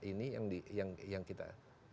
ini yang kita